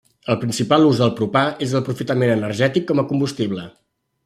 El principal ús del propà és l'aprofitament energètic com a combustible.